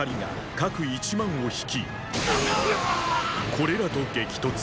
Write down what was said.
これらと激突。